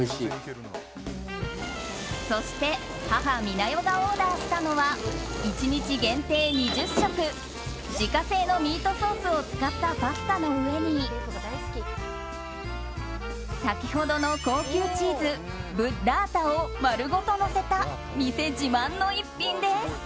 そして、母・美奈代がオーダーしたのは１日限定２０食自家製のミートソースを使ったパスタの上に先ほどの高級チーズブッラータを丸ごとのせた店自慢の一品です。